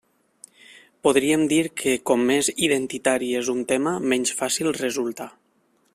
Podríem dir que com més «identitari» és un tema, menys fàcil resulta.